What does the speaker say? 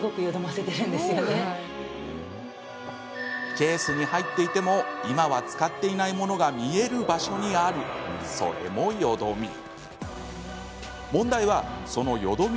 ケースに入っていても今は使っていないものが見える場所にあるそれも、よどみ。